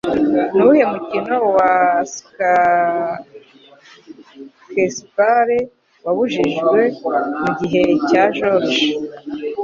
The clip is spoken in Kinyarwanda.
Nuwuhe mukino wa Shakespeare wabujijwe mugihe cya George?